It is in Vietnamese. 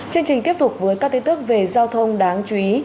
chương trình tiếp tục với các tin tức về giao thông đáng chú ý